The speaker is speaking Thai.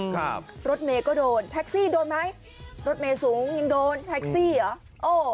ครับรถเมย์ก็โดนแท็กซี่โดนไหมรถเมย์สูงยังโดนแท็กซี่เหรอโอ้